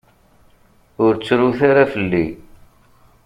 Ur ttrut ara fell-i.